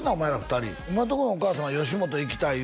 ２人お前のとこのお母さんは「吉本行きたい」